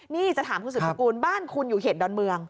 นี่จะถามคุณสุดสกุลบ้านคุณอยู่เขตดอนเมือง